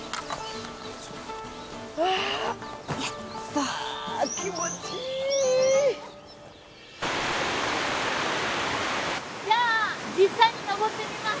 あぁあ気持ちいい。じゃあ実際に登ってみます。